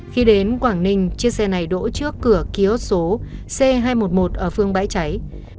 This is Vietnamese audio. khi đến quảng ninh chiếc xe này đổ trước cửa ký ốt số c hai trăm một mươi một ở phương bãi cháy